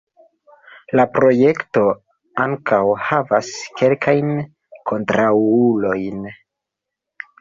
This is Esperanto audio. La projekto ankaŭ havas kelkajn kontraŭulojn.